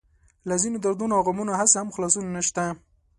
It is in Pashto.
له ځينو دردونو او غمونو هسې هم خلاصون نشته.